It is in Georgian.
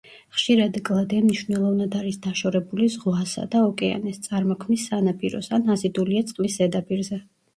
ხშირად კლდე მნიშვნელოვნად არის დაშორებული ზღვასა და ოკეანეს; წარმოქმნის სანაპიროს, ან აზიდულია წყლის ზედაპირზე.